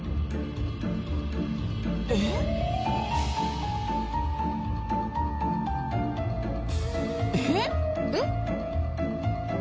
えっ？えっ？